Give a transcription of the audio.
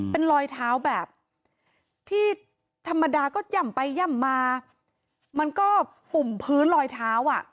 เป็นรอยเท้าแบบที่ธรรมดาก็ย่ำไปย่ำมามันก็ปุ่มพื้นลอยเท้าอ่ะ